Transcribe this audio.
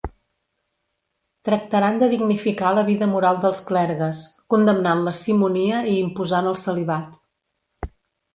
Tractaran de dignificar la vida moral dels clergues, condemnant la simonia i imposant el celibat.